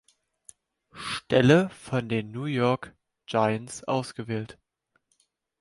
Stelle von den New York Giants ausgewählt.